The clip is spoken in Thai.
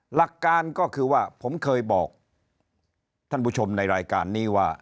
หลักการก็คือว่าผมเคยบอกท่านผู้ชมในรายการนี้ว่า